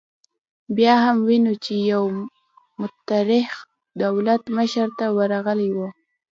بیا هم وینو چې یو مخترع دولت مشر ته ورغلی و